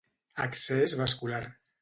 Accés Vascular.